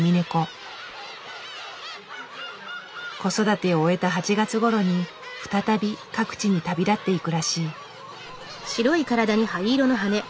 子育てを終えた８月ごろに再び各地に旅立っていくらしい。